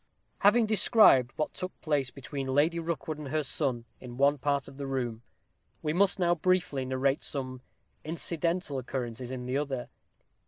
Having described what took place between Lady Rookwood and her son in one part of the room, we must now briefly narrate some incidental occurrences in the other.